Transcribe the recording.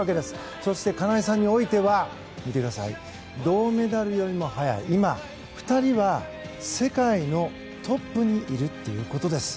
そして金井さんにおいては銅メダルよりも速い今、２人は世界のトップにいるということです。